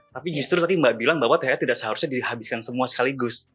tapi justru tadi mbak bilang bahwa thr tidak seharusnya dihabiskan semua sekaligus